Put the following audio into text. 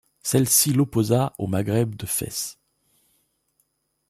Celle-ci l'opposa au Maghreb de Fès.